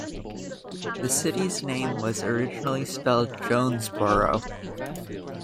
The city's name was originally spelled Jonesborough.